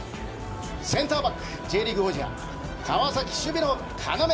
センターバックＪリーグ王者川崎の守備の要。